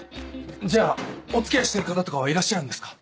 じゃあお付き合いしてる方とかはいらっしゃるんですか？